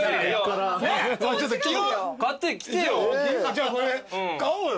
じゃあこれ買おうよ。